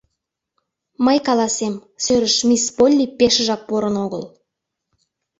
Мый каласем, — сӧрыш мисс Полли пешыжак порын огыл.